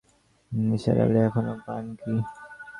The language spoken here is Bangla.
সেরকম কোনো আলোর সন্ধান নিসার আলি এখনো পান নি।